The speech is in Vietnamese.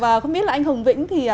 và không biết là anh hồng vĩnh